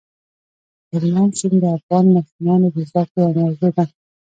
هلمند سیند د افغان ماشومانو د زده کړې یوه موضوع ده.